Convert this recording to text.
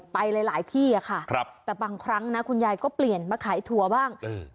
ไปหลายที่อะค่ะครับแต่บางครั้งนะคุณยายก็เปลี่ยนมาขายถั่วบ้าง